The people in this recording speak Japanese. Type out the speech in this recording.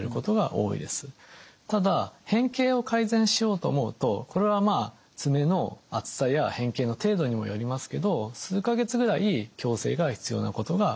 ただ変形を改善しようと思うとこれはまあ爪の厚さや変形の程度にもよりますけど数か月ぐらい矯正が必要なことが多いです。